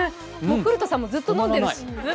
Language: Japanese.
古田さんもずっと飲んでるし。